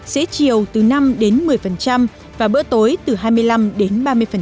dễ chiều từ năm đến một mươi và bữa tối từ hai mươi năm đến ba mươi